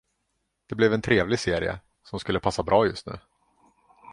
Det blev en trevlig serie, som skulle passa bra just nu.